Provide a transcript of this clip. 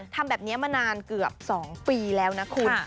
ทำแบบนี้มานานเกือบ๒ปีแล้วนะคุณ